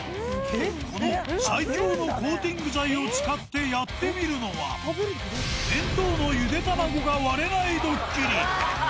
この最強のコーティング剤を使ってやってみるのは、弁当のゆで卵が割れないドッキリ。